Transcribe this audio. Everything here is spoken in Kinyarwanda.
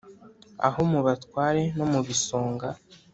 aho mu batware no mu bisonga